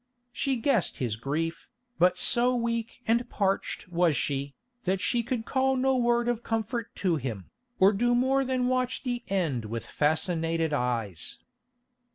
She guessed his grief, but so weak and parched was she, that she could call no word of comfort to him, or do more than watch the end with fascinated eyes.